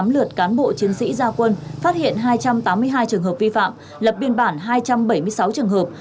hai trăm năm mươi tám lượt cán bộ chiến sĩ gia quân phát hiện hai trăm tám mươi hai trường hợp vi phạm lập biên bản hai trăm bảy mươi sáu trường hợp